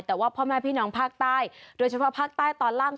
แต่ว่าพ่อแม่พี่น้องภาคใต้โดยเฉพาะภาคใต้ตอนล่าง